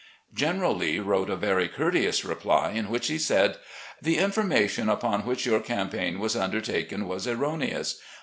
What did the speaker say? "General Lee wrote a very courteous reply, in which he said: '"The information upon which your campaign was undertaken was erroneous.